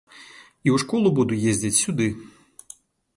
І ў школу буду ездзіць сюды.